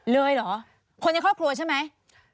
เลยเหรอคนในครอบครัวใช่ไหม